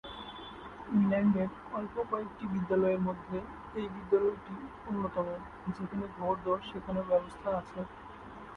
ইংল্যান্ডের অল্প কয়েকটি বিদ্যালয়ের মধ্যে এই বিদ্যালয়টি অন্যতম যেখানে ঘোড়-দৌড় শেখানোর ব্যবস্থা আছে।